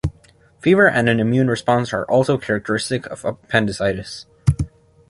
Fever and an immune system response are also characteristic of appendicitis.